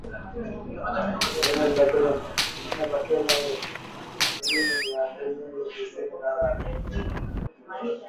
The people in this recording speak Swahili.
nne za Kenya milini miambili tisini na nane